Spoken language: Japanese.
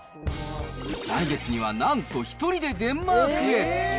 来月にはなんと１人でデンマークへ。